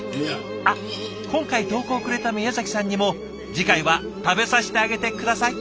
あっ今回投稿くれた宮さんにも次回は食べさせてあげて下さい。